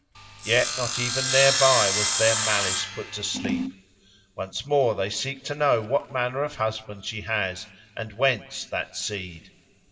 Yet not even thereby was their malice put to sleep: once more they seek to know what manner of husband she has, and whence that seed.